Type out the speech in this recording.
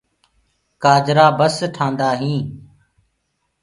ڪآجآ بس ٽآندآ هينٚ۔